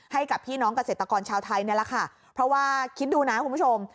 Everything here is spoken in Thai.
ให้กับพี่น้องเกษตรกรชาวไทยนี่แหละค่ะเพราะว่าคิดดูนะคุณผู้ชม